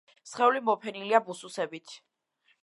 სხეული მოფენილია ბუსუსებით.